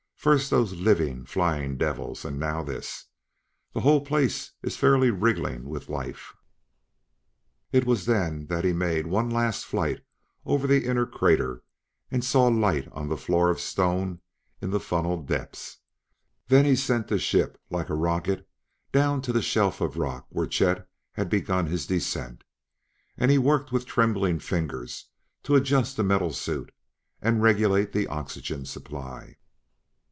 First those livin', flyin' devils; and now this! The whole place is fairly wrigglin' with life." It was then that he made one last flight over the inner crater and saw light on the floor of stone in the funneled depths. Then he sent the ship like a rocket down to the shelf of rock where Chet had begun his descent; and he worked with trembling fingers to adjust the metal suit and regulate the oxygen supply.